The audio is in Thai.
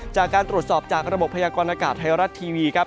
จากการตรวจสอบจากระบบพยากรณากาศไทยรัฐทีวีครับ